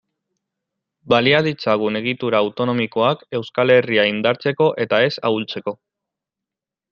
Balia ditzagun egitura autonomikoak Euskal Herria indartzeko eta ez ahultzeko.